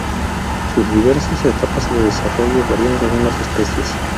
Sus diversas etapas de desarrollo varían según las especies.